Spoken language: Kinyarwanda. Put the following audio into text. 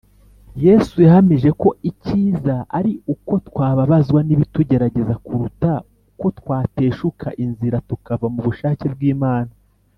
Yesu yahamije ko icyiza ari uko twababazwa n’ibitugerageza kuruta ko twateshuka inzira tukava mu bushake bw’Imana